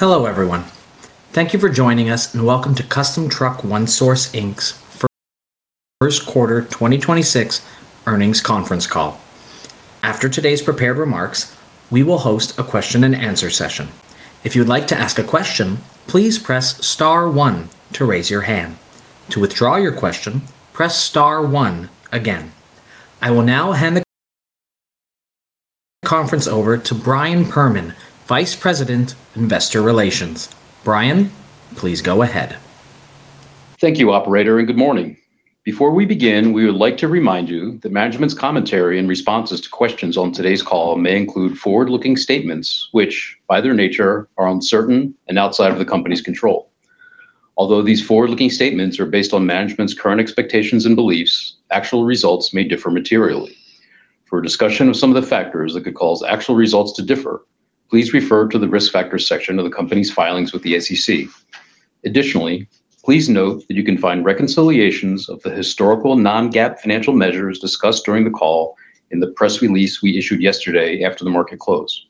Hello, everyone. Thank you for joining us and welcome to Custom Truck One Source, Inc.'s first quarter 2026 earnings conference call. After today's prepared remarks, we will host a question and answer session. If you'd like to ask a question, please press star 1 to raise your hand. To withdraw your question, press star 1 again. I will now hand the conference over to Brian Perman, Vice President, Investor Relations. Brian, please go ahead. Thank you, operator, and good morning. Before we begin, we would like to remind you that management's commentary and responses to questions on today's call may include forward-looking statements which, by their nature, are uncertain and outside of the company's control. Although these forward-looking statements are based on management's current expectations and beliefs, actual results may differ materially. For a discussion of some of the factors that could cause actual results to differ, please refer to the Risk Factors section of the company's filings with the SEC. Please note that you can find reconciliations of the historical non-GAAP financial measures discussed during the call in the press release we issued yesterday after the market close.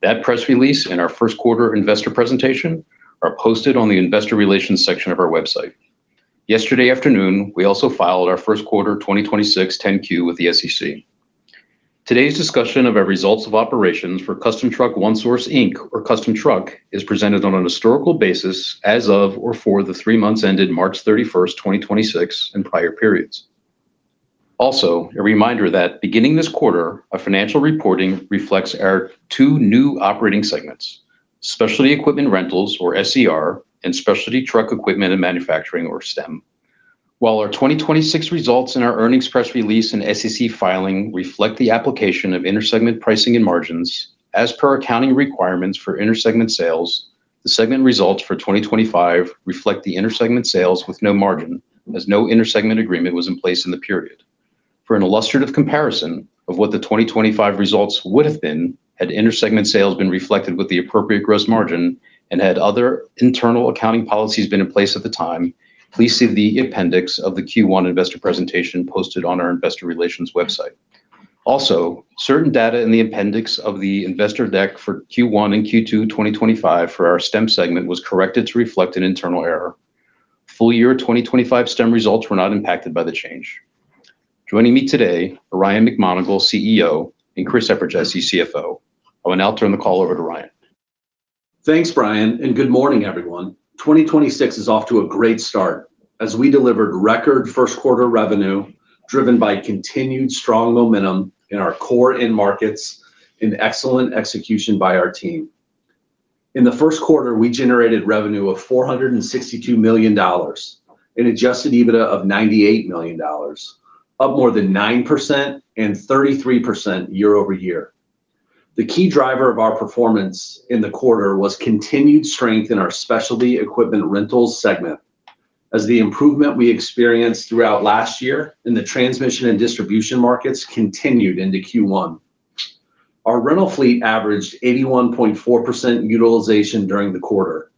That press release and our first quarter investor presentation are posted on the Investor Relations section of our website. Yesterday afternoon, we also filed our first quarter 2026 10-Q with the SEC. Today's discussion of our results of operations for Custom Truck One Source, Inc., or Custom Truck, is presented on an historical basis as of or for the three months ended March 31st, 2026, and prior periods. Also a reminder that beginning this quarter, our financial reporting reflects our two new operating segments, Specialty Equipment Rentals, or SER, and Specialty Truck Equipment and Manufacturing, or STEM. While our 2026 results in our earnings press release and SEC filing reflect the application of inter-segment pricing and margins, as per accounting requirements for inter-segment sales, the segment results for 2025 reflect the inter-segment sales with no margin, as no inter-segment agreement was in place in the period. For an illustrative comparison of what the 2025 results would have been had inter-segment sales been reflected with the appropriate gross margin and had other internal accounting policies been in place at the time, please see the appendix of the Q1 investor presentation posted on our investor relations website. Certain data in the appendix of the investor deck for Q1 and Q2 2025 for our STEM segment was corrected to reflect an internal error. Full year 2025 STEM results were not impacted by the change. Joining me today are Ryan McMonagle, CEO, and Christopher Eperjesy, CFO. I will now turn the call over to Ryan. Thanks, Brian. Good morning, everyone. 2026 is off to a great start as we delivered record first quarter revenue driven by continued strong momentum in our core end markets and excellent execution by our team. In the first quarter, we generated revenue of $462 million, an Adjusted EBITDA of $98 million, up more than 9% and 33% year-over-year. The key driver of our performance in the quarter was continued strength in our Specialty Equipment Rentals segment as the improvement we experienced throughout last year in the transmission and distribution markets continued into Q1. Our rental fleet averaged 81.4% utilization during the quarter,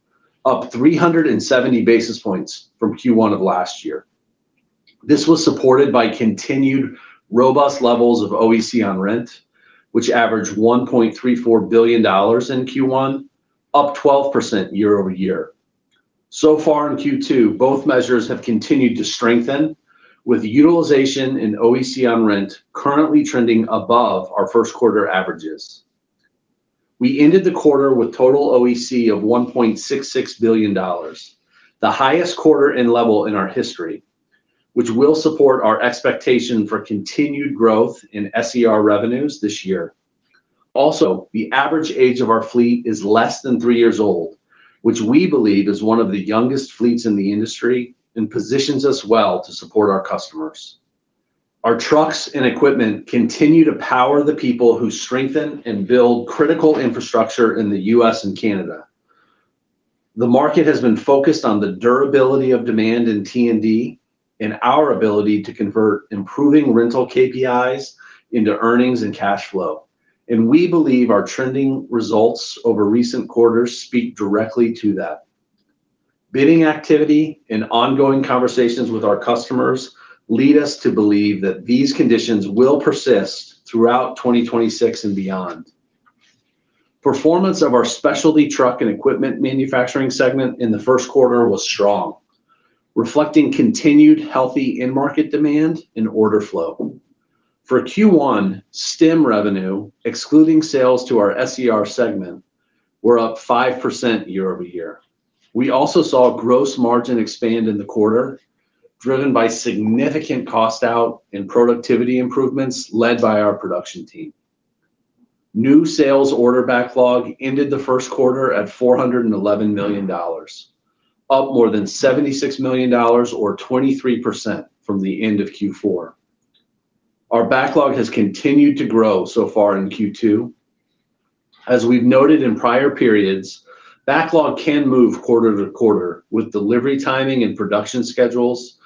up 370 basis points from Q1 of last year. This was supported by continued robust levels of OEC on rent, which averaged $1.34 billion in Q1, up 12% year-over-year. So far in Q2, both measures have continued to strengthen with utilization in OEC on rent currently trending above our first quarter averages. We ended the quarter with total OEC of $1.66 billion, the highest quarter end level in our history, which will support our expectation for continued growth in SER revenues this year. Also, the average age of our fleet is less than 3 years old, which we believe is one of the youngest fleets in the industry and positions us well to support our customers. Our trucks and equipment continue to power the people who strengthen and build critical infrastructure in the U.S. and Canada. The market has been focused on the durability of demand in T&D and our ability to convert improving rental KPIs into earnings and cash flow, and we believe our trending results over recent quarters speak directly to that. Bidding activity and ongoing conversations with our customers lead us to believe that these conditions will persist throughout 2026 and beyond. Performance of our Specialty Truck Equipment and Manufacturing segment in the first quarter was strong, reflecting continued healthy end market demand and order flow. For Q1, STEM revenue, excluding sales to our SER segment, were up 5% year-over-year. We also saw gross margin expand in the quarter, driven by significant cost out and productivity improvements led by our production team. New sales order backlog ended the first quarter at $411 million, up more than $76 million or 23% from the end of Q4. Our backlog has continued to grow so far in Q2. As we've noted in prior periods, backlog can move quarter-to-quarter with delivery timing and production schedules,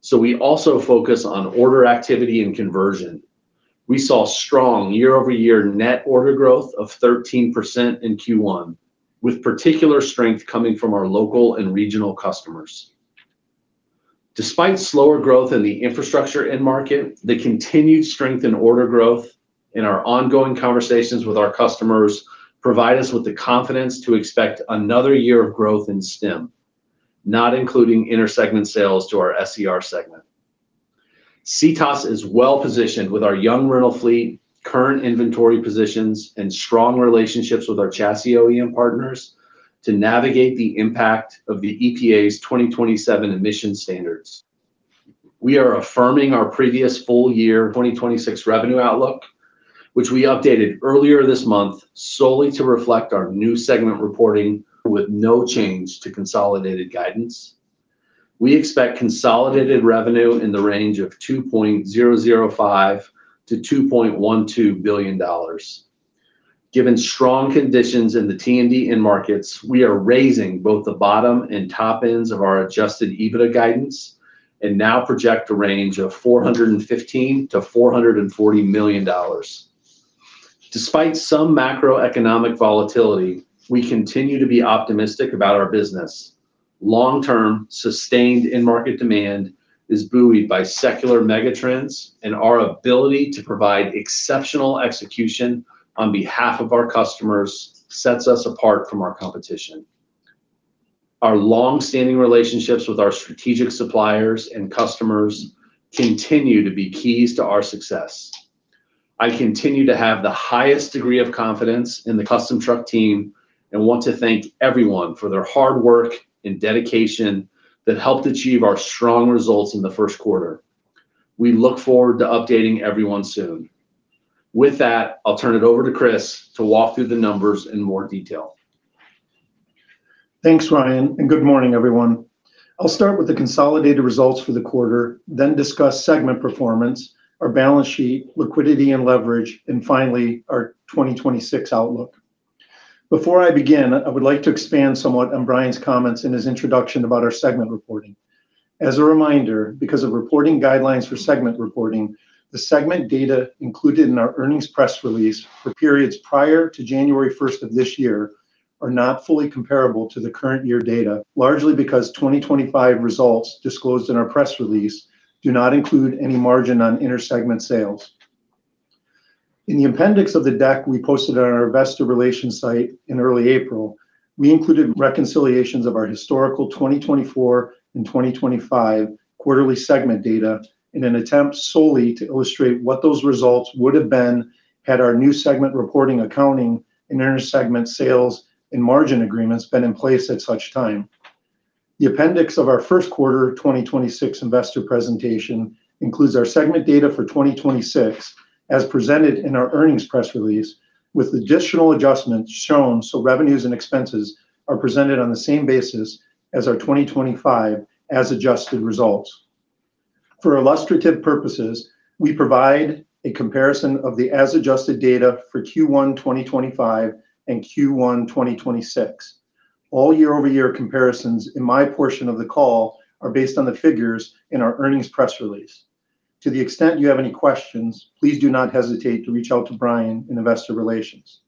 so we also focus on order activity and conversion. We saw strong year-over-year net order growth of 13% in Q1, with particular strength coming from our local and regional customers. Despite slower growth in the infrastructure end market, the continued strength in order growth and our ongoing conversations with our customers provide us with the confidence to expect another year of growth in STEM, not including inter-segment sales to our SER segment. CTOS is well-positioned with our young rental fleet, current inventory positions, and strong relationships with our chassis OEM partners to navigate the impact of the EPA's 2027 emission standards. We are affirming our previous full year 2026 revenue outlook, which we updated earlier this month solely to reflect our new segment reporting with no change to consolidated guidance. We expect consolidated revenue in the range of $2.005 billion-$2.12 billion. Given strong conditions in the T&D end markets, we are raising both the bottom and top ends of our Adjusted EBITDA guidance and now project a range of $415 million-$440 million. Despite some macroeconomic volatility, we continue to be optimistic about our business. Long-term, sustained end market demand is buoyed by secular mega trends, and our ability to provide exceptional execution on behalf of our customers sets us apart from our competition. Our long-standing relationships with our strategic suppliers and customers continue to be keys to our success. I continue to have the highest degree of confidence in the Custom Truck team and want to thank everyone for their hard work and dedication that helped achieve our strong results in the first quarter. We look forward to updating everyone soon. With that, I'll turn it over to Chris to walk through the numbers in more detail. Thanks, Ryan, good morning, everyone. I'll start with the consolidated results for the quarter, then discuss segment performance, our balance sheet, liquidity and leverage, and finally, our 2026 outlook. Before I begin, I would like to expand somewhat on Brian's comments in his introduction about our segment reporting. As a reminder, because of reporting guidelines for segment reporting, the segment data included in our earnings press release for periods prior to January 1st of this year are not fully comparable to the current year data, largely because 2025 results disclosed in our press release do not include any margin on inter-segment sales. In the appendix of the deck we posted on our investor relations site in early April, we included reconciliations of our historical 2024 and 2025 quarterly segment data in an attempt solely to illustrate what those results would have been had our new segment reporting accounting and inter-segment sales and margin agreements been in place at such time. The appendix of our first quarter 2026 investor presentation includes our segment data for 2026 as presented in our earnings press release with additional adjustments shown so revenues and expenses are presented on the same basis as our 2025 as adjusted results. For illustrative purposes, we provide a comparison of the as adjusted data for Q1 2025 and Q1 2026. All year-over-year comparisons in my portion of the call are based on the figures in our earnings press release. To the extent you have any questions, please do not hesitate to reach out to Brian in investor relations.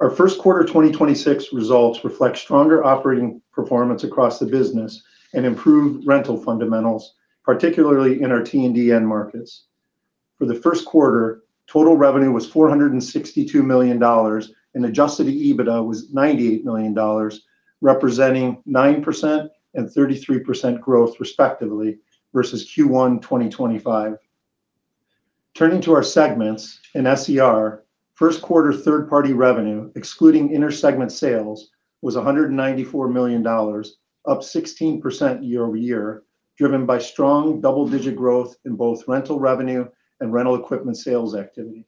Our first quarter 2026 results reflect stronger operating performance across the business and improved rental fundamentals, particularly in our T&D end markets. For the first quarter, total revenue was $462 million and Adjusted EBITDA was $98 million, representing 9% and 33% growth respectively versus Q1 2025. Turning to our segments, in SER, first quarter third-party revenue, excluding inter-segment sales, was $194 million, up 16% year-over-year, driven by strong double-digit growth in both rental revenue and rental equipment sales activity.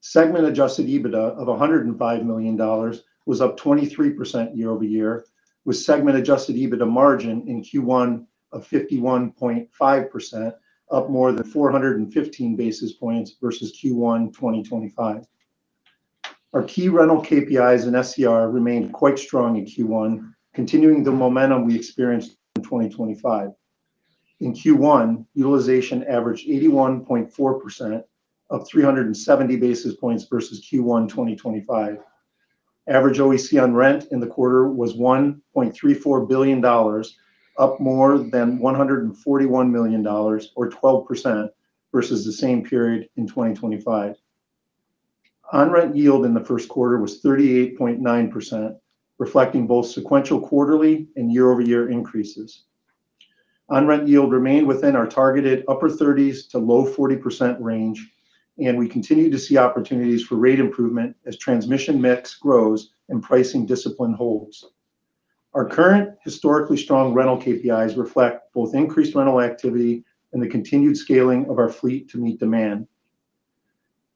Segment Adjusted EBITDA of $105 million was up 23% year-over-year, with segment Adjusted EBITDA margin in Q1 of 51.5%, up more than 415 basis points versus Q1 2025. Our key rental KPIs in SER remained quite strong in Q1, continuing the momentum we experienced in 2025. In Q1, utilization averaged 81.4%, up 370 basis points versus Q1 2025. Average OEC on rent in the quarter was $1.34 billion, up more than $141 million or 12% versus the same period in 2025. On-rent yield in the first quarter was 38.9%, reflecting both sequential quarterly and year-over-year increases. On-rent yield remained within our targeted upper 30s-low 40% range. We continue to see opportunities for rate improvement as transmission mix grows and pricing discipline holds. Our current historically strong rental KPIs reflect both increased rental activity and the continued scaling of our fleet to meet demand.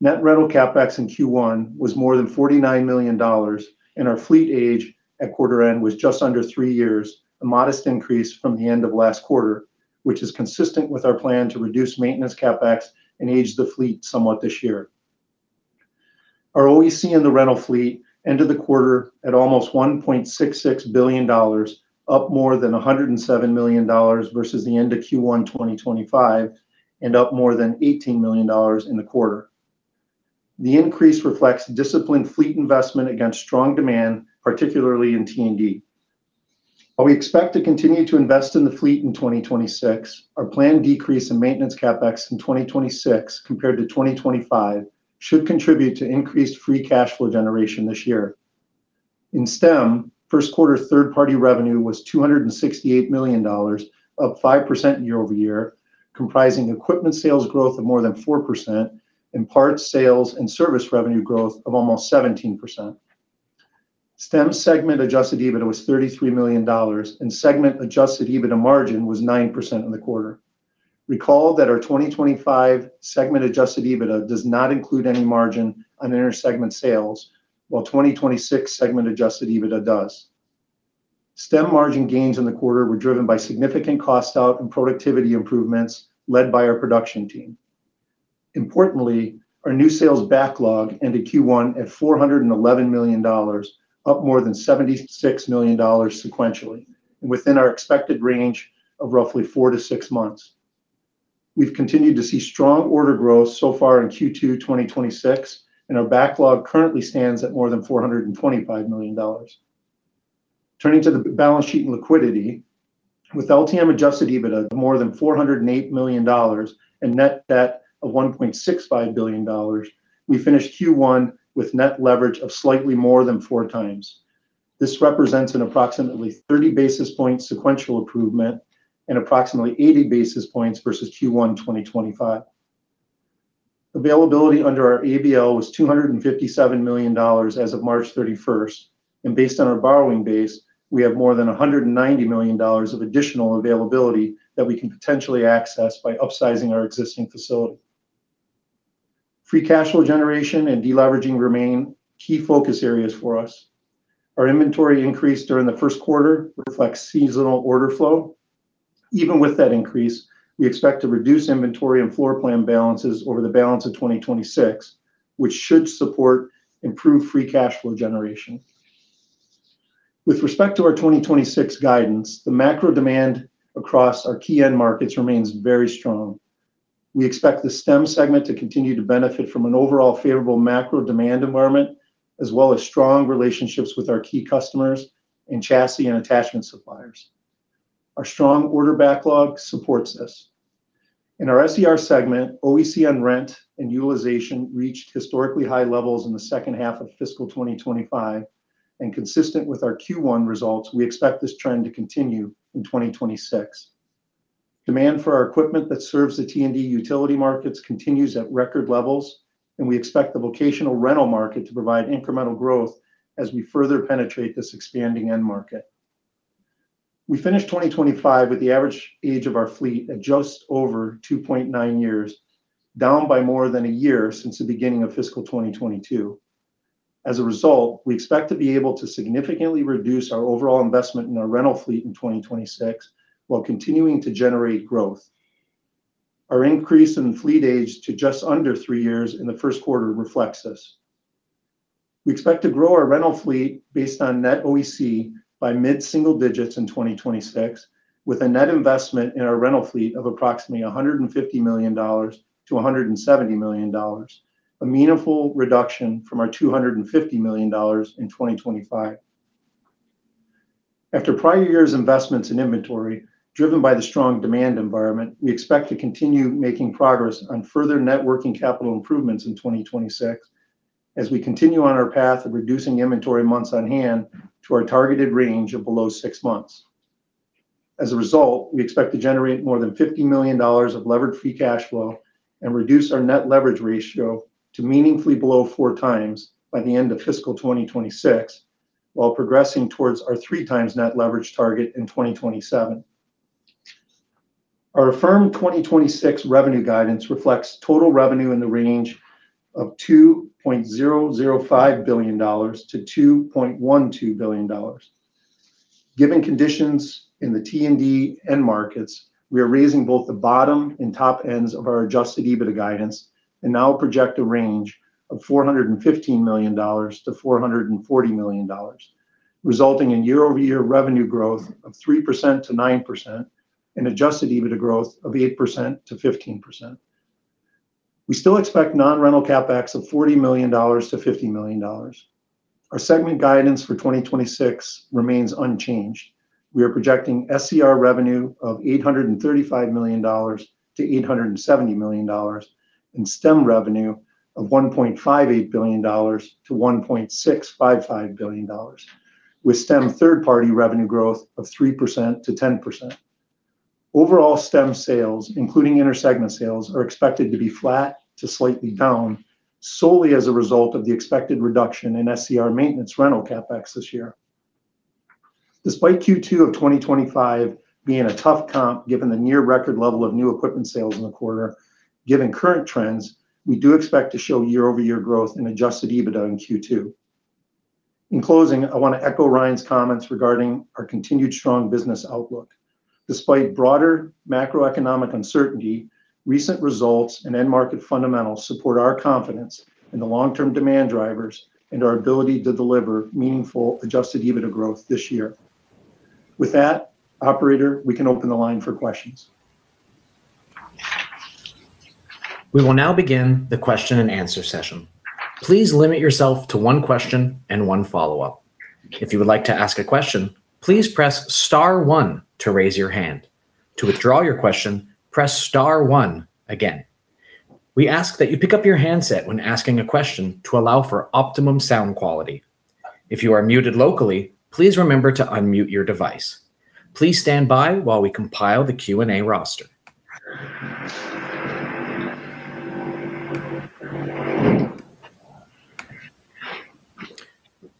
Net rental CapEx in Q1 was more than $49 million. Our fleet age at quarter end was just under 3 years, a modest increase from the end of last quarter, which is consistent with our plan to reduce maintenance CapEx and age the fleet somewhat this year. Our OEC in the rental fleet ended the quarter at almost $1.66 billion, up more than $107 million versus the end of Q1 2025, and up more than $18 million in the quarter. The increase reflects disciplined fleet investment against strong demand, particularly in T&D. While we expect to continue to invest in the fleet in 2026, our planned decrease in maintenance CapEx in 2026 compared to 2025 should contribute to increased free cash flow generation this year. In STEM, first quarter third-party revenue was $268 million, up 5% year-over-year, comprising equipment sales growth of more than 4% and parts sales and service revenue growth of almost 17%. STEM segment Adjusted EBITDA was $33 million, and segment Adjusted EBITDA margin was 9% in the quarter. Recall that our 2025 segment Adjusted EBITDA does not include any margin on inter-segment sales, while 2026 segment Adjusted EBITDA does. STEM margin gains in the quarter were driven by significant cost out and productivity improvements led by our production team. Importantly, our new sales backlog ended Q1 at $411 million, up more than $76 million sequentially and within our expected range of roughly 4-6 months. We've continued to see strong order growth so far in Q2 2026, and our backlog currently stands at more than $425 million. Turning to the balance sheet and liquidity, with LTM Adjusted EBITDA of more than $408 million and net debt of $1.65 billion, we finished Q1 with net leverage of slightly more than 4 times. This represents an approximately 30 basis point sequential improvement and approximately 80 basis points versus Q1 2025. Availability under our ABL was $257 million as of March 31st, and based on our borrowing base, we have more than $190 million of additional availability that we can potentially access by upsizing our existing facility. Free cash flow generation and de-leveraging remain key focus areas for us. Our inventory increase during the first quarter reflects seasonal order flow. Even with that increase, we expect to reduce inventory and floor plan balances over the balance of 2026, which should support improved free cash flow generation. With respect to our 2026 guidance, the macro demand across our key end markets remains very strong. We expect the STEM segment to continue to benefit from an overall favorable macro demand environment as well as strong relationships with our key customers and chassis and attachment suppliers. Our strong order backlog supports this. In our SER segment, OEC on rent and utilization reached historically high levels in the second half of fiscal 2025. Consistent with our Q1 results, we expect this trend to continue in 2026. Demand for our equipment that serves the T&D utility markets continues at record levels, and we expect the vocational rental market to provide incremental growth as we further penetrate this expanding end market. We finished 2025 with the average age of our fleet at just over 2.9 years, down by more than a year since the beginning of fiscal 2022. As a result, we expect to be able to significantly reduce our overall investment in our rental fleet in 2026 while continuing to generate growth. Our increase in fleet age to just under 3 years in the 1st quarter reflects this. We expect to grow our rental fleet based on net OEC by mid-single digits in 2026, with a net investment in our rental fleet of approximately $150 million-$170 million, a meaningful reduction from our $250 million in 2025. After prior years' investments in inventory driven by the strong demand environment, we expect to continue making progress on further net working capital improvements in 2026 as we continue on our path of reducing inventory months on hand to our targeted range of below 6 months. As a result, we expect to generate more than $50 million of levered free cash flow and reduce our net leverage ratio to meaningfully below 4 times by the end of fiscal 2026 while progressing towards our 3 times net leverage target in 2027. Our affirmed 2026 revenue guidance reflects total revenue in the range of $2.005 billion-$2.12 billion. Given conditions in the T&D end markets, we are raising both the bottom and top ends of our Adjusted EBITDA guidance and now project a range of $415 million-$440 million, resulting in year-over-year revenue growth of 3%-9% and Adjusted EBITDA growth of 8%-15%. We still expect non-rental CapEx of $40 million-$50 million. Our segment guidance for 2026 remains unchanged. We are projecting SER revenue of $835 million to $870 million and STEM revenue of $1.58 billion to $1.655 billion, with STEM third-party revenue growth of 3%-10%. Overall STEM sales, including inter-segment sales, are expected to be flat to slightly down solely as a result of the expected reduction in SER maintenance rental CapEx this year. Despite Q2 of 2025 being a tough comp, given the near record level of new equipment sales in the quarter, given current trends, we do expect to show year-over-year growth in Adjusted EBITDA in Q2. In closing, I want to echo Ryan's comments regarding our continued strong business outlook. Despite broader macroeconomic uncertainty, recent results and end market fundamentals support our confidence in the long-term demand drivers and our ability to deliver meaningful Adjusted EBITDA growth this year. With that, operator, we can open the line for questions. We will now begin the question and answer session. Please limit yourself to one question and one follow-up. If you would like to ask a question, please press star 1 to raise your hand. To withdraw your question, press star 1 again. We ask that you pick up your handset when asking a question to allow for optimum sound quality. If you are muted locally, please remember to unmute your device. Please stand by while we compile the Q&A roster.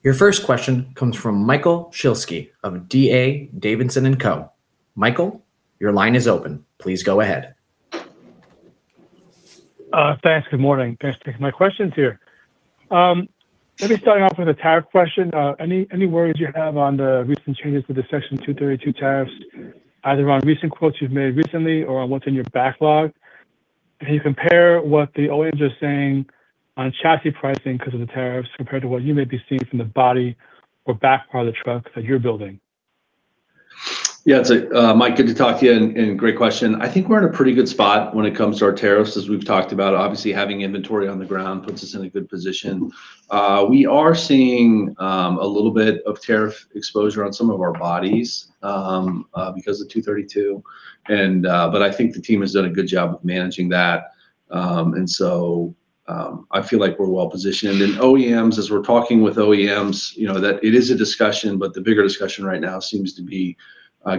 Your first question comes from Michael Shlisky of D.A. Davidson & Co. Michael, your line is open. Please go ahead. Thanks. Good morning. Thanks for taking my questions here. Let me start off with a tariff question. Any, any words you have on the recent changes to the Section 232 tariffs, either on recent quotes you've made recently or on what's in your backlog? Can you compare what the OEMs are saying on chassis pricing because of the tariffs compared to what you may be seeing from the body or back part of the truck that you're building? Mike, good to talk to you and great question. I think we're in a pretty good spot when it comes to our tariffs, as we've talked about. Obviously, having inventory on the ground puts us in a good position. We are seeing a little bit of tariff exposure on some of our bodies because of Section 232. I think the team has done a good job of managing that. I feel like we're well-positioned. OEMs, as we're talking with OEMs, you know, that it is a discussion, but the bigger discussion right now seems to be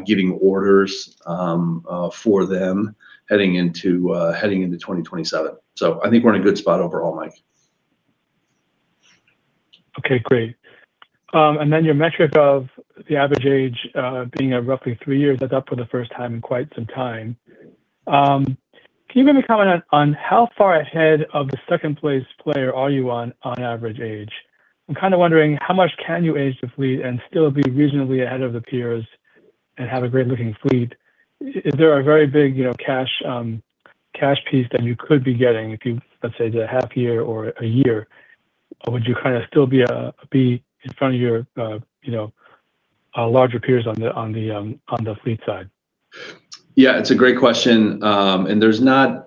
getting orders for them heading into 2027. I think we're in a good spot overall, Mike. Okay, great. Then your metric of the average age, being at roughly 3 years, that's up for the first time in quite some time. Can you maybe comment on how far ahead of the second-place player are you on average age? I'm kind of wondering, how much can you age the fleet and still be reasonably ahead of the peers and have a great-looking fleet? Is there a very big, you know, cash piece that you could be getting if you, let's say, did a half year or a year? Would you kind of still be in front of your, you know, larger peers on the fleet side? Yeah, it's a great question. There's not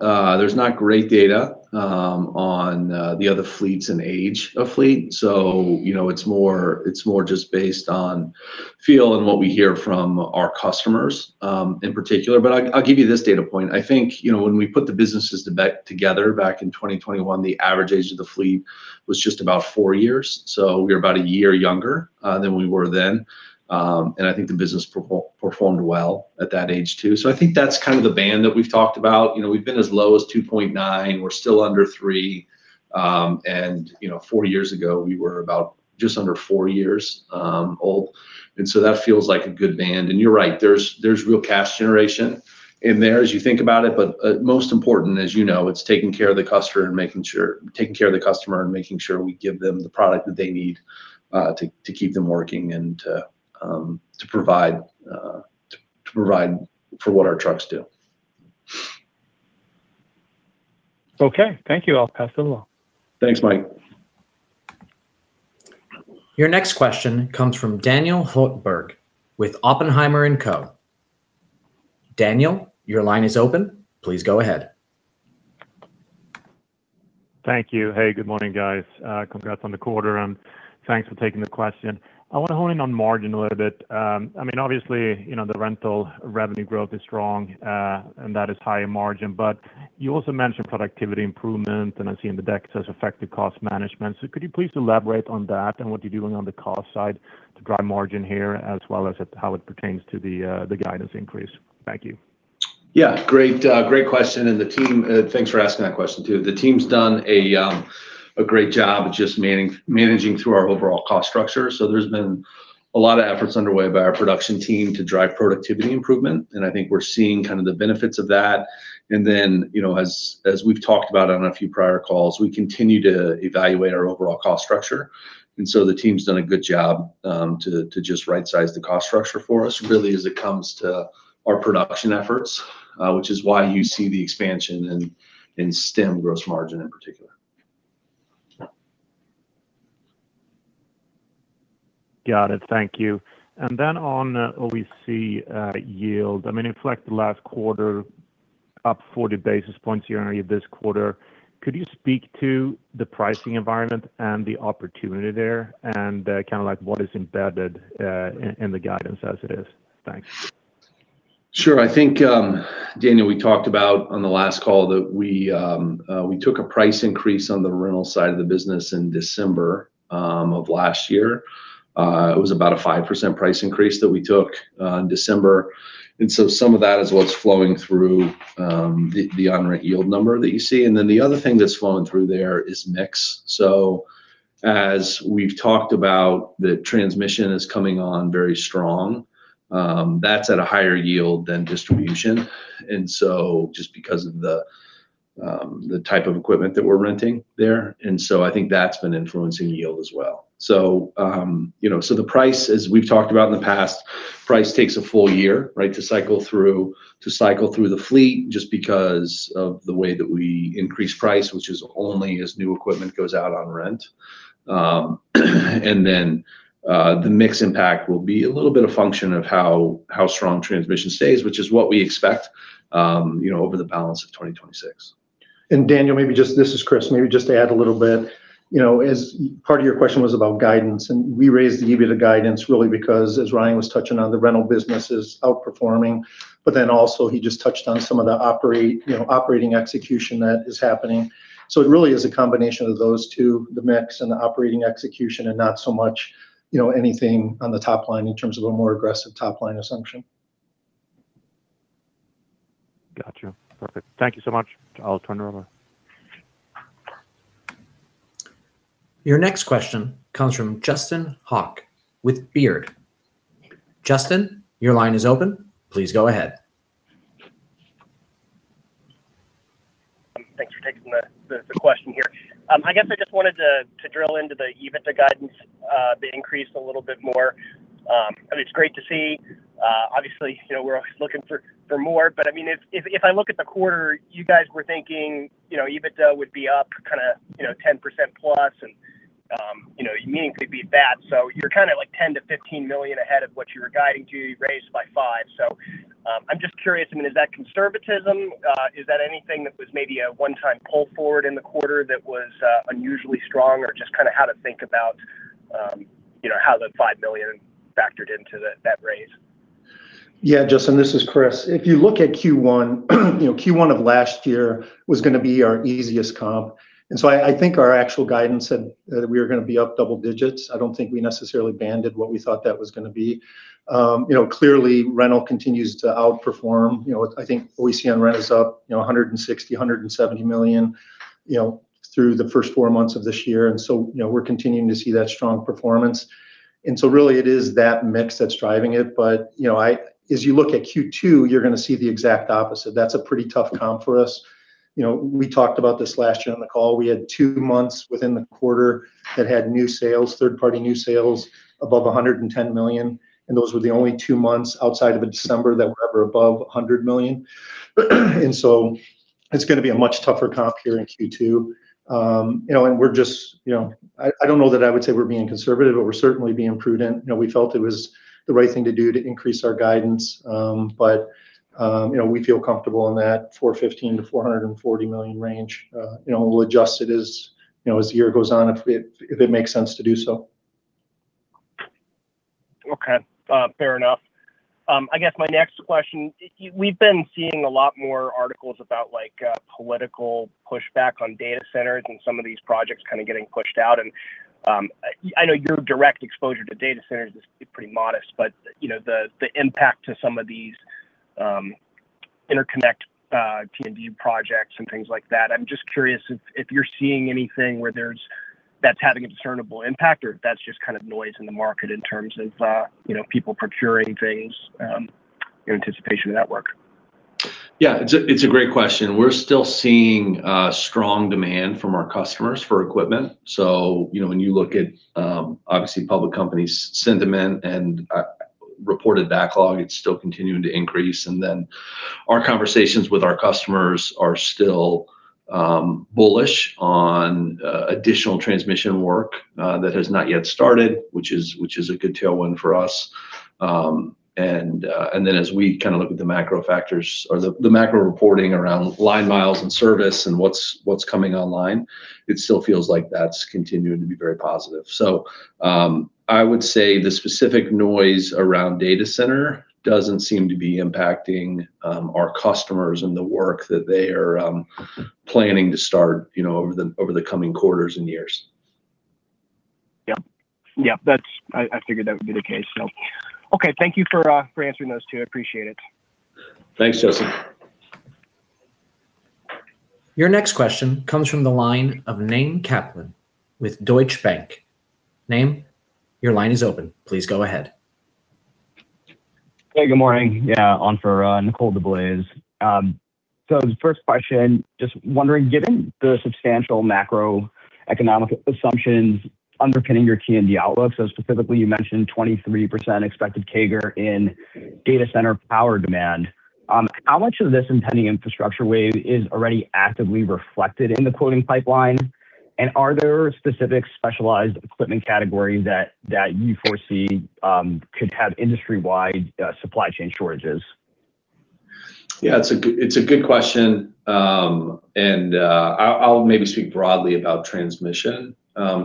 great data on the other fleets and age of fleet. You know, it's more, it's more just based on feel and what we hear from our customers in particular. I'll give you this data point. I think, you know, when we put the businesses together back in 2021, the average age of the fleet was just about four years. We're about 1 year younger than we were then. I think the business performed well at that age too. I think that's kind of the band that we've talked about. You know, we've been as low as 2.9. We're still under three. You know, four years ago, we were about just under four years old. That feels like a good band. You're right, there's real cash generation in there as you think about it. Most important, as you know, it's taking care of the customer and making sure we give them the product that they need, to keep them working and to provide for what our trucks do. Okay. Thank you. I'll pass it along. Thanks, Mike. Your next question comes from Daniel Hultberg with Oppenheimer & Co. Daniel, your line is open. Please go ahead. Thank you. Hey, good morning, guys. Congrats on the quarter, and thanks for taking the question. I want to hone in on margin a little bit. I mean, obviously, you know, the rental revenue growth is strong, and that is higher margin. You also mentioned productivity improvement, and I see in the deck it says effective cost management. Could you please elaborate on that and what you're doing on the cost side to drive margin here as well as how it pertains to the guidance increase? Thank you. Great, great question. The team, thanks for asking that question too. The team's done a great job just managing through our overall cost structure. There's been a lot of efforts underway by our production team to drive productivity improvement, and I think we're seeing kind of the benefits of that. You know, as we've talked about on a few prior calls, we continue to evaluate our overall cost structure. The team's done a good job to just right size the cost structure for us really as it comes to our production efforts, which is why you see the expansion in STEM gross margin in particular. Got it. Thank you. On OEC, yield, I mean, inflect the last quarter up 40 basis points year-on-year this quarter. Could you speak to the pricing environment and the opportunity there and, kind of like what is embedded, in the guidance as it is? Thanks. Sure. I think, Daniel, we talked about on the last call that we took a price increase on the rental side of the business in December of last year. It was about a 5% price increase that we took in December. Some of that is what's flowing through the on-rent yield number that you see. The other thing that's flowing through there is mix. As we've talked about, the transmission is coming on very strong. That's at a higher yield than distribution. Just because of the type of equipment that we're renting there. I think that's been influencing yield as well. You know, the price, as we've talked about in the past, price takes a full year, right, to cycle through, to cycle through the fleet, just because of the way that we increase price, which is only as new equipment goes out on rent. The mix impact will be a little bit of function of how strong transmission stays, which is what we expect, you know, over the balance of 2026. Daniel, this is Chris. Maybe just to add a little bit, you know, as part of your question was about guidance. We raised the EBITDA guidance really because, as Ryan was touching on, the rental business is outperforming. Also, he just touched on some of the operating execution that is happening. It really is a combination of those two, the mix and the operating execution, and not so much, you know, anything on the top line in terms of a more aggressive top-line assumption. Gotcha. Perfect. Thank you so much. I'll turn it over. Your next question comes from Justin Hauke with Baird. Justin, your line is open. Please go ahead. Thanks for taking the question here. I guess I just wanted to drill into the EBITDA guidance, the increase a little bit more. I mean, it's great to see. Obviously, you know, we're always looking for more. I mean, if I look at the quarter, you guys were thinking, you know, EBITDA would be up kinda, you know, 10% plus and, you know, meaning could be that. You're kinda like $10 million-$15 million ahead of what you were guiding to. You raised by $5 million. I'm just curious. I mean, is that conservatism? Is that anything that was maybe a one-time pull forward in the quarter that was unusually strong? Just kinda how to think about, you know, how the $5 million factored into the, that raise. Yeah, Justin, this is Chris. If you look at Q1, you know, Q1 of last year was gonna be our easiest comp. I think our actual guidance said that we were gonna be up double digits. I don't think we necessarily banded what we thought that was gonna be. You know, clearly rental continues to outperform. You know, I think what we see on rent is up, you know, $160 million-$170 million, you know, through the first four months of this year. You know, we're continuing to see that strong performance. Really it is that mix that's driving it. You know, as you look at Q2, you're gonna see the exact opposite. That's a pretty tough comp for us. You know, we talked about this last year on the call. We had 2 months within the quarter that had new sales, third-party new sales above $110 million, and those were the only 2 months outside of a December that were ever above $100 million. It's gonna be a much tougher comp here in Q2. You know, and we're just, you know, I don't know that I would say we're being conservative, but we're certainly being prudent. You know, we felt it was the right thing to do to increase our guidance. you know, we feel comfortable in that $415 million-$440 million range. you know, we'll adjust it as, you know, as the year goes on if it makes sense to do so. Okay. Fair enough. I guess my next question, We've been seeing a lot more articles about, like, political pushback on data centers and some of these projects kinda getting pushed out. I know your direct exposure to data centers is pretty modest, but, you know, the impact to some of these interconnect T&D projects and things like that. I'm just curious if you're seeing anything where that's having a discernible impact, or that's just kind of noise in the market in terms of, you know, people procuring things in anticipation of that work. It's a great question. We're still seeing strong demand from our customers for equipment. You know, when you look at obviously public companies' sentiment and reported backlog, it's still continuing to increase. Our conversations with our customers are still bullish on additional transmission work that has not yet started, which is a good tailwind for us. As we kinda look at the macro factors or the macro reporting around line miles and service and what's coming online, it still feels like that's continuing to be very positive. I would say the specific noise around data center doesn't seem to be impacting our customers and the work that they are planning to start, you know, over the coming quarters and years. Yeah. Yeah, that's I figured that would be the case, so. Okay, thank you for for answering those two. I appreciate it. Thanks, Justin. Your next question comes from the line of Name Kaplan with Deutsche Bank. Name, your line is open. Please go ahead. Hey, good morning. Yeah, on for Nicole DeBlase. First question, just wondering, given the substantial macroeconomic assumptions underpinning your T&D outlook, specifically you mentioned 23% expected CAGR in data center power demand, how much of this impending infrastructure wave is already actively reflected in the quoting pipeline? Are there specific specialized equipment categories that you foresee could have industry-wide supply chain shortages? Yeah, it's a good question. I'll maybe speak broadly about transmission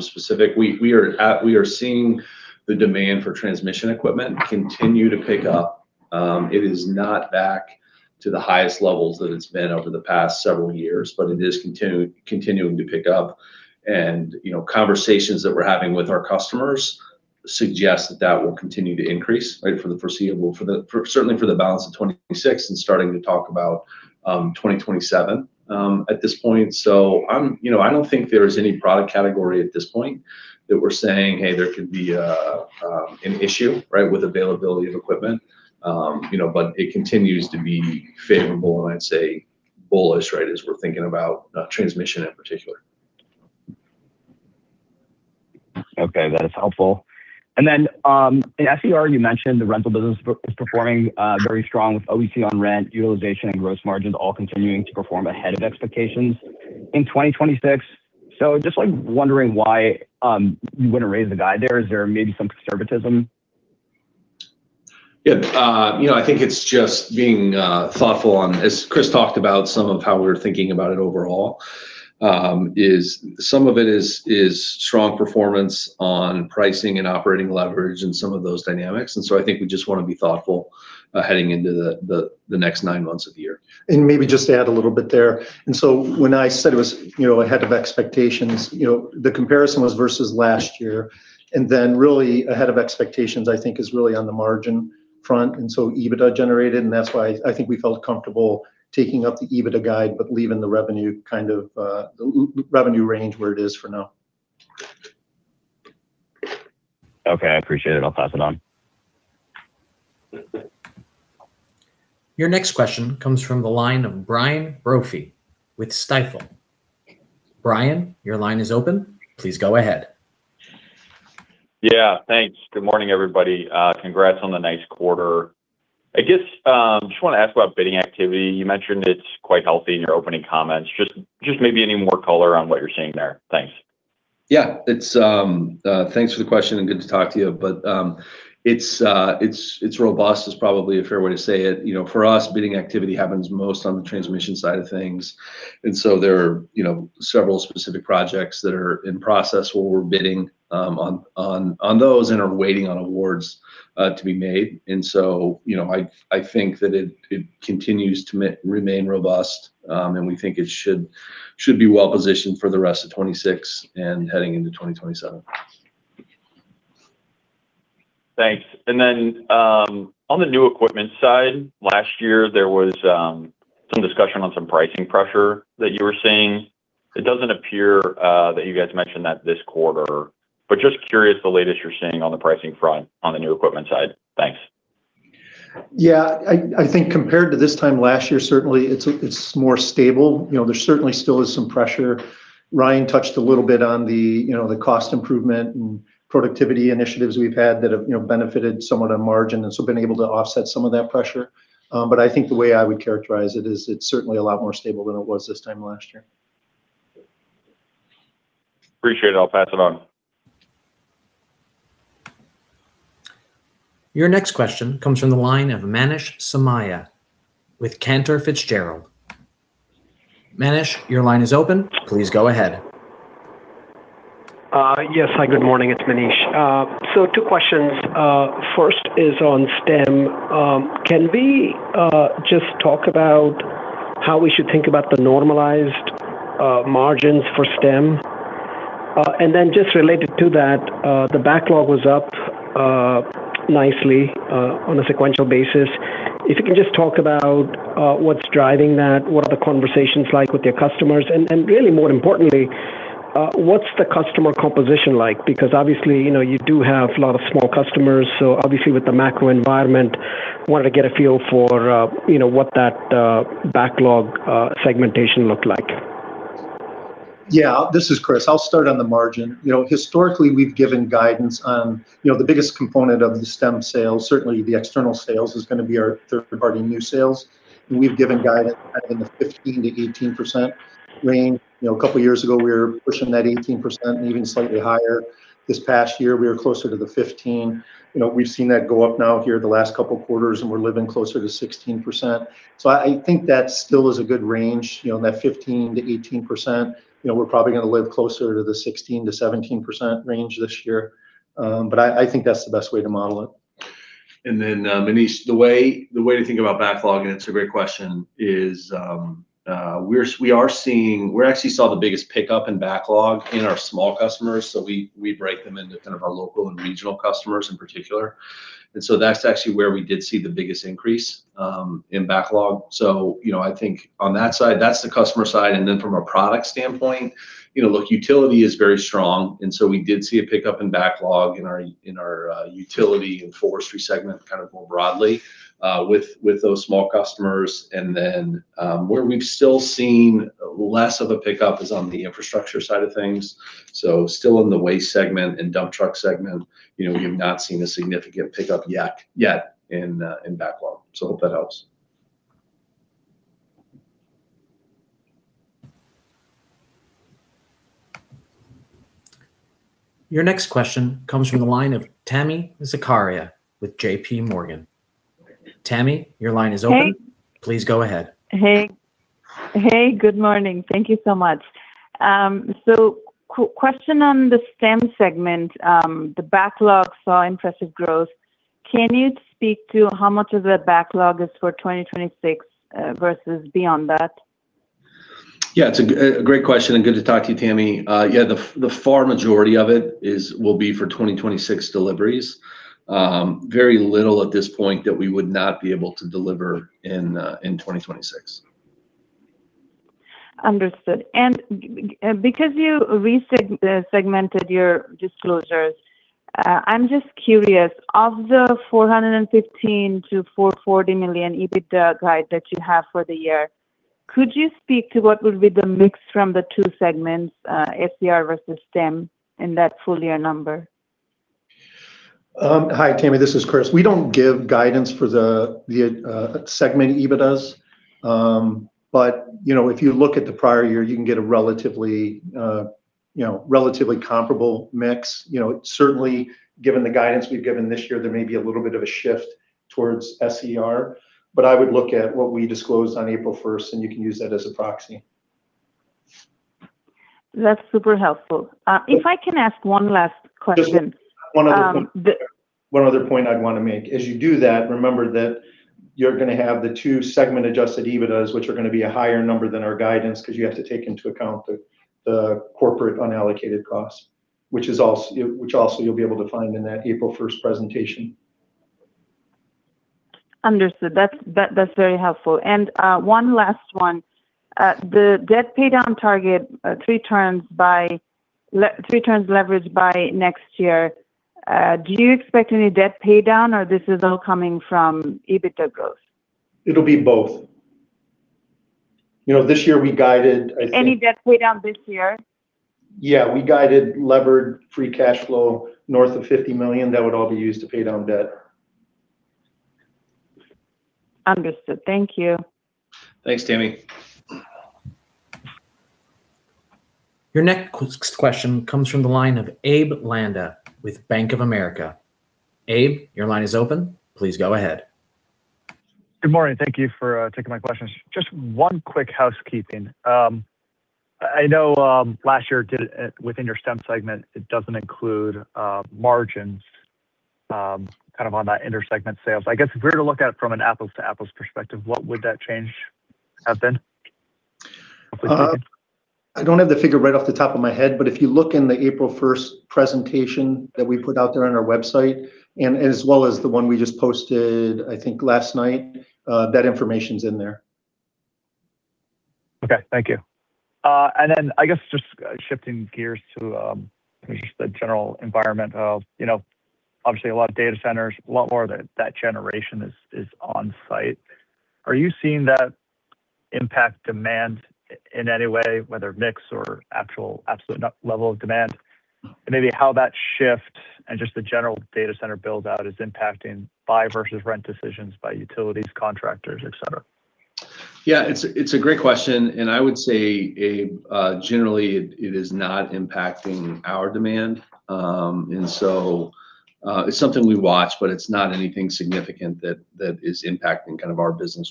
specific. We are seeing the demand for transmission equipment continue to pick up. It is not back to the highest levels that it's been over the past several years, but it is continuing to pick up. You know, conversations that we're having with our customers suggest that that will continue to increase, right, for the foreseeable, for certainly for the balance of 2026 and starting to talk about 2027 at this point. I'm, you know, I don't think there is any product category at this point that we're saying, "Hey, there could be an issue," right? With availability of equipment. You know, it continues to be favorable, and I'd say bullish, right, as we're thinking about transmission in particular. Okay, that is helpful. In SER you mentioned the rental business is performing very strong with OEC on rent, utilization and gross margins all continuing to perform ahead of expectations in 2026. Just, like, wondering why you wouldn't raise the guide there. Is there maybe some conservatism? Yeah. you know, I think it's just being thoughtful on, as Chris talked about, some of how we're thinking about it overall, is some of it is strong performance on pricing and operating leverage and some of those dynamics. I think we just wanna be thoughtful heading into the next nine months of the year. Maybe just to add a little bit there. When I said it was, you know, ahead of expectations, you know, the comparison was versus last year. Really ahead of expectations I think is really on the margin front, and so EBITDA generated, and that's why I think we felt comfortable taking up the EBITDA guide but leaving the revenue kind of revenue range where it is for now. Okay, I appreciate it. I'll pass it on. Your next question comes from the line of Brian Brophy with Stifel. Brian, your line is open. Please go ahead. Yeah. Thanks. Good morning, everybody. Congrats on the nice quarter. I guess, just wanna ask about bidding activity. You mentioned it's quite healthy in your opening comments. Just maybe any more color on what you're seeing there. Thanks. Yeah. It's, thanks for the question and good to talk to you. It's robust is probably a fair way to say it. You know, for us, bidding activity happens most on the transmission side of things. There are, you know, several specific projects that are in process where we're bidding on those and are waiting on awards to be made. You know, I think that it continues to remain robust. We think it should be well positioned for the rest of 2026 and heading into 2027. Thanks. On the new equipment side, last year there was some discussion on some pricing pressure that you were seeing. It doesn't appear that you guys mentioned that this quarter. Just curious the latest you're seeing on the pricing front on the new equipment side. Thanks. Yeah. I think compared to this time last year, certainly it's more stable. You know, there certainly still is some pressure. Ryan touched a little bit on the, you know, the cost improvement and productivity initiatives we've had that have, you know, benefited somewhat on margin, and so been able to offset some of that pressure. I think the way I would characterize it is it's certainly a lot more stable than it was this time last year. Appreciate it. I'll pass it on. Your next question comes from the line of Manish Somaiya with Cantor Fitzgerald. Manish, your line is open. Please go ahead. Yes. Hi, good morning. It's Manish. Two questions. First is on STEM. Can we just talk about how we should think about the normalized margins for STEM? Then just related to that, the backlog was up nicely on a sequential basis. If you can just talk about what's driving that, what are the conversations like with your customers? Really more importantly, what's the customer composition like? Obviously, you know, you do have a lot of small customers, so obviously with the macro environment, wanted to get a feel for, you know, what that backlog segmentation looked like. Yeah. This is Chris. I'll start on the margin. You know, historically we've given guidance on, you know, the biggest component of the STEM sales, certainly the external sales is gonna be our third party new sales. We've given guidance in the 15%-18% range. You know, a couple years ago we were pushing that 18% and even slightly higher. This past year we were closer to the 15%. You know, we've seen that go up now here the last couple quarters and we're living closer to 16%. I think that still is a good range, you know, in that 15%-18%. You know, we're probably gonna live closer to the 16%-17% range this year. I think that's the best way to model it. Manish, the way to think about backlog, and it's a great question, is We actually saw the biggest pickup in backlog in our small customers. We break them into kind of our local and regional customers in particular. That's actually where we did see the biggest increase in backlog. You know, I think on that side, that's the customer side. From a product standpoint, you know, look, utility is very strong. We did see a pickup in backlog in our utility and forestry segment kind of more broadly with those small customers. Where we've still seen less of a pickup is on the infrastructure side of things. Still in the waste segment and dump truck segment, you know, we have not seen a significant pickup yet in backlog. Hope that helps. Your next question comes from the line of Tami Zakaria with JPMorgan. Tami, your line is open. Hey. Please go ahead. Hey. Hey, good morning. Thank you so much. Question on the STEM segment. The backlog saw impressive growth. Can you speak to how much of that backlog is for 2026 versus beyond that? Yeah, it's a great question, and good to talk to you, Tami. Yeah, the far majority of it is, will be for 2026 deliveries. Very little at this point that we would not be able to deliver in 2026. Understood. Because you segmented your disclosures. I'm just curious, of the $415 million-$440 million EBITDA guide that you have for the year, could you speak to what will be the mix from the 2 segments, SER versus STEM in that full year number? Hi Tami, this is Chris. We don't give guidance for the segment EBITDAs. You know, if you look at the prior year, you can get a relatively, you know, relatively comparable mix. You know, certainly given the guidance we've given this year, there may be a little bit of a shift towards SER, but I would look at what we disclosed on April 1st, and you can use that as a proxy. That's super helpful. If I can ask one last question? Just one other point. Um, the- One other point I'd wanna make. As you do that, remember that you're gonna have the two segment Adjusted EBITDAs, which are gonna be a higher number than our guidance, 'cause you have to take into account the corporate unallocated cost. Which also you'll be able to find in that April 1st presentation. Understood. That's very helpful. One last one. The debt pay down target, three times leverage by next year, do you expect any debt pay down, or this is all coming from EBITDA growth? It'll be both. You know, this year we guided. Any debt pay down this year? Yeah. We guided levered free cash flow north of $50 million. That would all be used to pay down debt. Understood. Thank you. Thanks, Tami. Your next question comes from the line of Abe Landa with Bank of America. Abe, your line is open. Please go ahead. Good morning. Thank you for taking my questions. Just one quick housekeeping. I know last year within your STEM segment, it doesn't include margins kind of on that intersegment sales. I guess if we were to look at it from an apples-to-apples perspective, what would that change have been roughly? I don't have the figure right off the top of my head, but if you look in the April 1st presentation that we put out there on our website and as well as the one we just posted, I think last night, that information's in there. Okay. Thank you. I guess just shifting gears to maybe just the general environment of, you know, obviously a lot of data centers, a lot more of that generation is on site. Are you seeing that impact demand in any way, whether mix or actual absolute level of demand? Maybe how that shift and just the general data center build-out is impacting buy versus rent decisions by utilities, contractors, et cetera. Yeah. It's a great question. I would say, Abe, generally it is not impacting our demand. It's something we watch, but it's not anything significant that is impacting kind of our business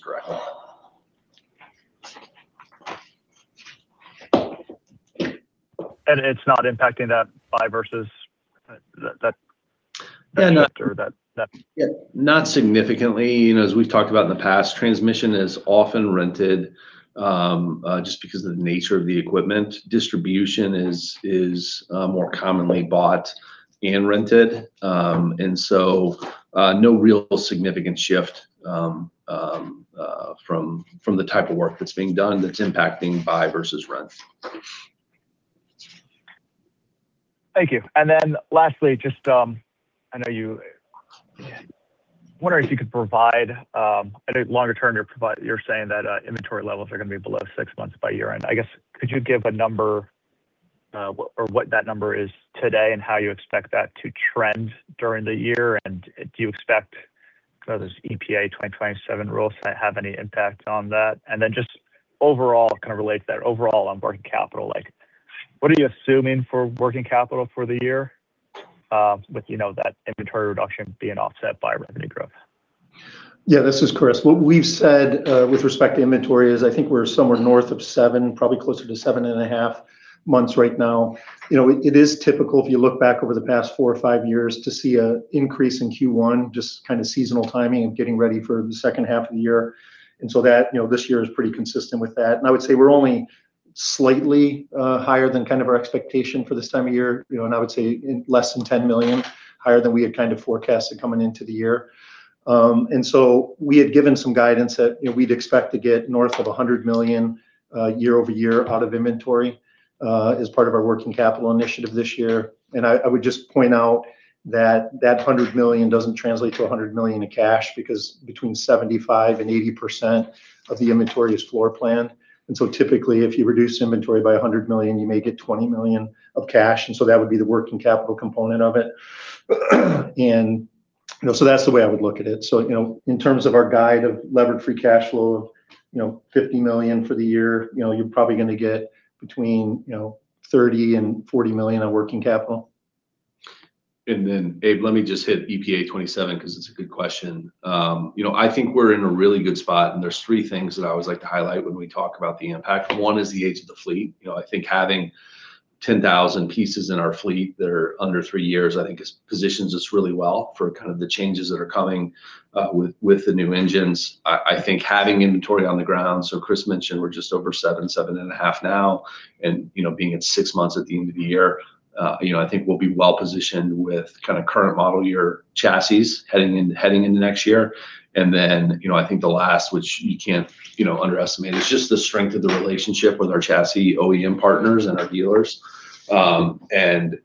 direction. It's not impacting that buy versus, that. And, uh- investor, that. Yeah, not significantly. You know, as we've talked about in the past, transmission is often rented, just because of the nature of the equipment. Distribution is more commonly bought and rented. No real significant shift from the type of work that's being done that's impacting buy versus rent. Thank you. Lastly, just wondering if you could provide, you're saying that inventory levels are gonna be below 6 months by year-end. I guess, could you give a number or what that number is today and how you expect that to trend during the year? Do you expect, you know, those EPA 2027 rules might have any impact on that? Just overall, kind of related to that, overall on working capital, like what are you assuming for working capital for the year, with, you know, that inventory reduction being offset by revenue growth? Yeah, this is Chris. What we've said with respect to inventory is I think we're somewhere north of seven, probably closer to seven and a half months right now. You know, it is typical if you look back over the past four or five years to see a increase in Q1, just kind of seasonal timing and getting ready for the second half of the year. That, you know, this year is pretty consistent with that. I would say we're only slightly higher than kind of our expectation for this time of year, you know, I would say in less than $10 million higher than we had kind of forecasted coming into the year. We had given some guidance that, you know, we'd expect to get north of $100 million year-over-year out of inventory as part of our working capital initiative this year. I would just point out that that $100 million doesn't translate to $100 million in cash, because between 75%-80% of the inventory is floor planned. Typically if you reduce inventory by $100 million, you may get $20 million of cash, that would be the working capital component of it. That's the way I would look at it. In terms of our guide of levered free cash flow of, you know, $50 million for the year, you're probably gonna get between, you know, $30 million-$40 million on working capital. Abe, let me just hit EPA 2027, 'cause it's a good question. You know, I think we're in a really good spot, and there's three things that I always like to highlight when we talk about the impact. One is the age of the fleet. You know, I think having 10,000 pieces in our fleet that are under three years I think is, positions us really well for kind of the changes that are coming with the new engines. I think having inventory on the ground, so Christopher Eperjesy mentioned we're just over 7.5 now, and, you know, being at six months at the end of the year, you know, I think we'll be well-positioned with kind of current model year chassis heading into next year. You know, I think the last, which you can't, you know, underestimate, is just the strength of the relationship with our chassis OEM partners and our dealers. You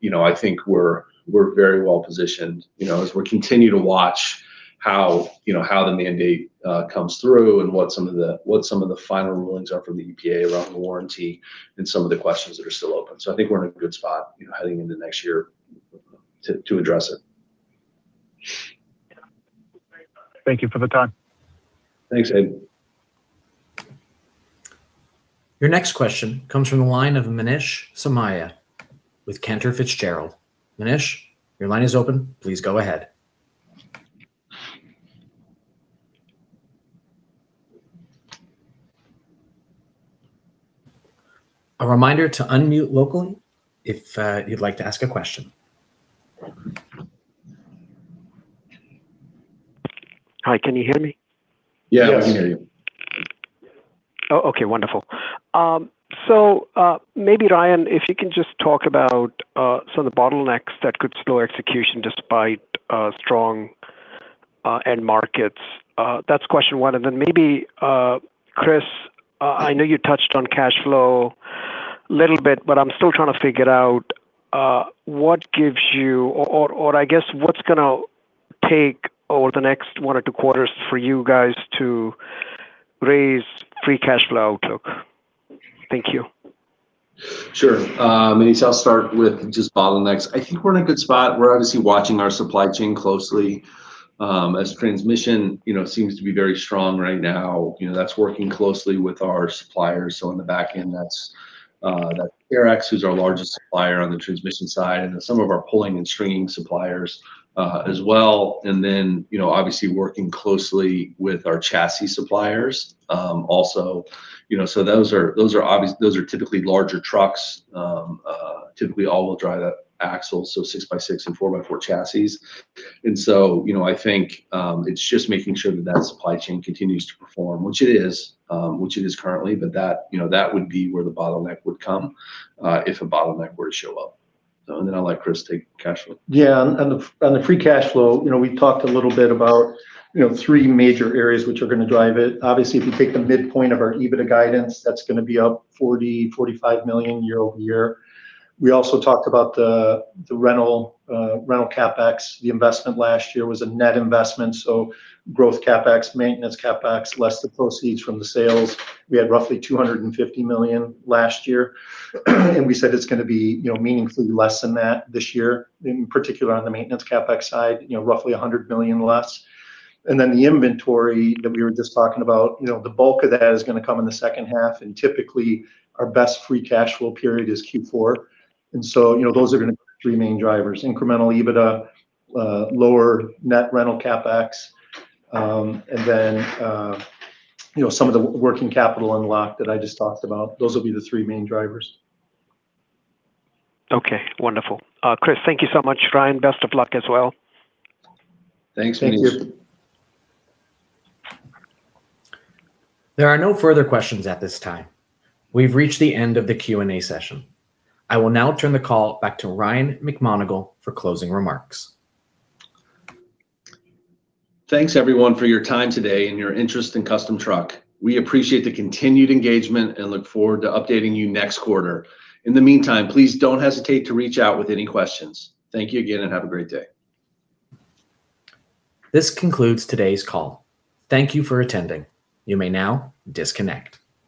know, I think we're very well-positioned. You know, as we continue to watch how, you know, how the mandate comes through and what some of the final rulings are from the EPA around the warranty and some of the questions that are still open. I think we're in a good spot, you know, heading into next year to address it. Thank you for the time. Thanks, Abe. Your next question comes from the line of Manish Somaiya with Cantor Fitzgerald. Manish, your line is open. Please go ahead. A reminder to unmute locally if you'd like to ask a question. Hi, can you hear me? Yes. Yes, we can hear you. Oh, okay. Wonderful. Maybe Ryan, if you can just talk about some of the bottlenecks that could slow execution despite strong end markets. That's question one. Maybe Chris, I know you touched on cash flow a little bit, but I'm still trying to figure out what gives you, or I guess what's gonna take over the next one or two quarters for you guys to raise free cash flow outlook? Thank you. Sure. Manish, I'll start with just bottlenecks. I think we're in a good spot. We're obviously watching our supply chain closely, as transmission, you know, seems to be very strong right now. You know, that's working closely with our suppliers. On the back end, that's that Arax, who's our largest supplier on the transmission side, and then some of ourpulling and stringing suppliers, as well. You know, obviously working closely with our chassis suppliers, also. You know, those are typically larger trucks. Typically all will drive the axles, so 6x6 and 4x4 chassis. You know, I think, it's just making sure that that supply chain continues to perform, which it is, which it is currently, but that, you know, that would be where the bottleneck would come, if a bottleneck were to show up. Then I'll let Chris take cash flow. Yeah. On the free cash flow, you know, we talked a little bit about, you know, three major areas which are gonna drive it. Obviously, if you take the midpoint of our EBITDA guidance, that's gonna be up $40 million-$45 million year-over-year. We also talked about the rental CapEx. The investment last year was a net investment, so growth CapEx, maintenance CapEx, less the proceeds from the sales. We had roughly $250 million last year and we said it's gonna be, you know, meaningfully less than that this year, in particular on the maintenance CapEx side, you know, roughly $100 million less. The inventory that we were just talking about, you know, the bulk of that is gonna come in the second half, and typically our best free cash flow period is Q4. You know, those are gonna be the three main drivers. Incremental EBITDA, lower net rental CapEx, and then, you know, some of the working capital unlock that I just talked about. Those will be the three main drivers. Okay, wonderful. Chris, thank you so much. Ryan, best of luck as well. Thanks, Manish. Thank you. There are no further questions at this time. We've reached the end of the Q&A session. I will now turn the call back to Ryan McMonagle for closing remarks. Thanks everyone for your time today and your interest in Custom Truck. We appreciate the continued engagement and look forward to updating you next quarter. In the meantime, please don't hesitate to reach out with any questions. Thank you again, and have a great day. This concludes today's call. Thank you for attending. You may now disconnect.